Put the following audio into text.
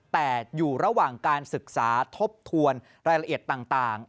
แต่อยู่ระหว่างการศึกษาทบทวนรายละเอียดต่าง